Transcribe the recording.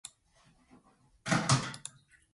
Walpole's position was known to Americans.